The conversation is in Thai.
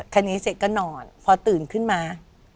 คันนี้เสร็จก็นอนพอตื่นขึ้นมา